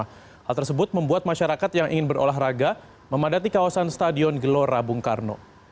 hal tersebut membuat masyarakat yang ingin berolahraga memadati kawasan stadion gelora bung karno